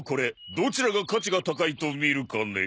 どちらが価値が高いと見るかね。